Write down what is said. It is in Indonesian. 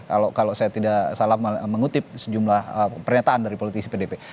kalau saya tidak salah mengutip sejumlah pernyataan dari politisi pdp